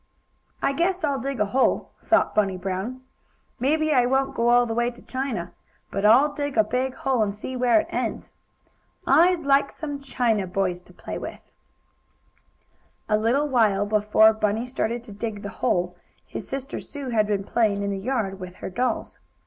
"I guess I'll dig a hole," thought Bunny Blown. "Maybe I won't go all the way to China, but I'll dig a big hole, and see where it ends. I'd like some China boys to play with." A little while before Bunny started to dig the hole his sister Sue had been playing in the yard with her dolls.